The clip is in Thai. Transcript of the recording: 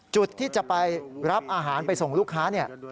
จุดที่จะไปรับอาหารไปส่งลูกค้าเนี่ย